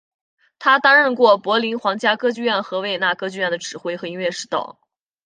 他担任过柏林皇家歌剧院和维也纳歌剧院的指挥和音乐指导。